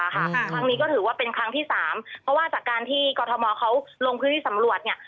ครั้งนี้ก็ถือว่าเป็นครั้งที่๓เพราะว่าจากการที่กรทมเขาลงพื้นที่สำรวจเนี่ย